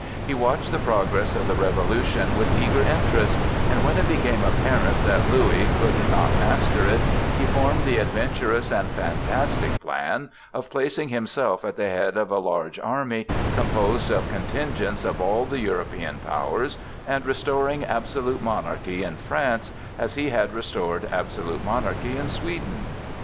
He watched the progress of the revolution with eager interest, and when it became apparent that Louis could not master it, he formed the adventurous and fantastic plan of placing himself at the head of a large army, composed of contingents of all the European powers, and restoring absolute monarchy in France, as he had restored absolute monarchy in Sweden.